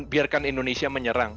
biarkan indonesia menyerang